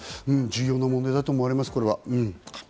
重要な問題だと思われます。